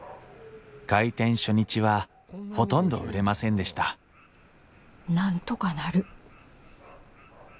開店初日はほとんど売れませんでしたなんとかなる。